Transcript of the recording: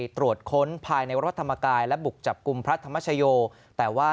ตรวจค้นภายในวัฒนธรรมกายและบุกจับกลุ่มพระธรรมชโยแต่ว่า